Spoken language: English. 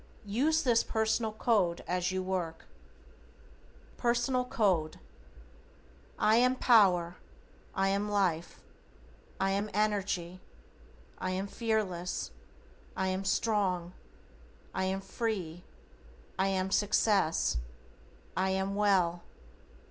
Use this personal code as you work: =PERSONAL CODE:= I am power. I am life. I am energy. I am fearless. I am strong. I am free. I am success. I am well.